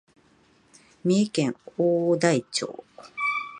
三重県大台町